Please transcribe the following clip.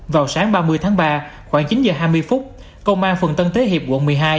vào sáng ba mươi tháng ba khoảng chín giờ hai mươi phút công an phường tân tế hiệp quận một mươi hai